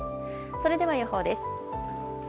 それでは、予報です。